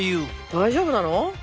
大丈夫なの？